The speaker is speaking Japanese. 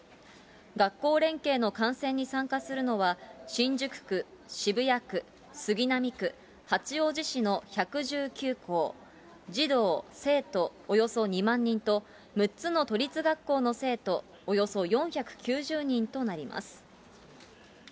学校連携の観戦に参加するのは、新宿区、渋谷区、杉並区、八王子市の１１９校、児童・生徒およそ２万人と、６つの都立学校の生徒およそ４９０人となります。